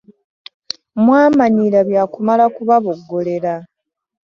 Mwamanyiira bya kumala kubaboggolera.